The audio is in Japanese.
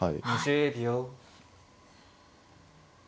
２０秒。